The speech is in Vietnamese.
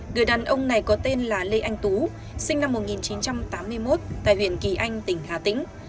người đàn ông này có tên là lê anh tú sinh năm một nghìn chín trăm tám mươi một tại huyện kỳ anh tỉnh hà tĩnh